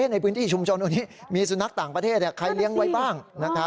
ในพื้นที่ชุมชนตรงนี้มีสุนัขต่างประเทศใครเลี้ยงไว้บ้าง